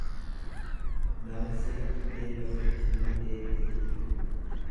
Nama sila iddee bahetti nama deebi'e jechuudha.